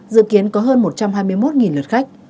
dự kiến có hơn một trăm hai mươi một lượt khách